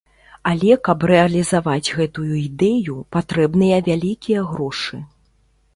Але каб рэалізаваць гэтую ідэю, патрэбныя вялікія грошы.